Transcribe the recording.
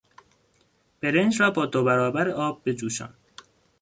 برنج را با دو برابر آب بجوشان!